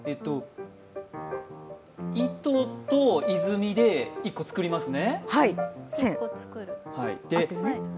糸と泉で１個、作りますね。